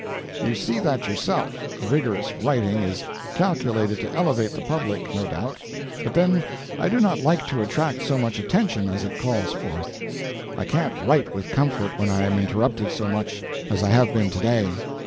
"You see that yourself. Vigorous writing is calculated to elevate the public, no doubt, but then I do not like to attract so much attention as it calls forth. I can't write with comfort when I am interrupted so much as I have been to day.